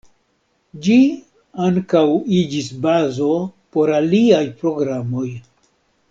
Ĝi ankaŭ iĝis bazo por aliaj programoj.